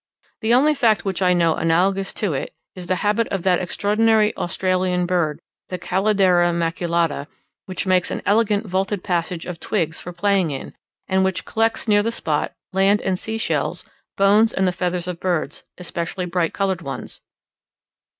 The only fact which I know analogous to it, is the habit of that extraordinary Australian bird, the Calodera maculata, which makes an elegant vaulted passage of twigs for playing in, and which collects near the spot, land and sea shells, bones and the feathers of birds, especially brightly coloured ones.